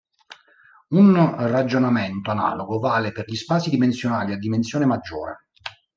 Un ragionamento analogo vale per gli spazi dimensionali a dimensione maggiore.